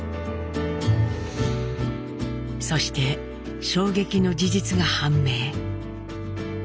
そして衝撃の事実が判明。